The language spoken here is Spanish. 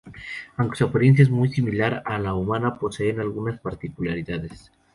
Aunque su apariencia es muy similar a la humana, poseen algunas particularidades.